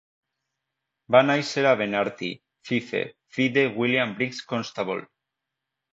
Va néixer a Benarty, Fife, fill de William Briggs Constable.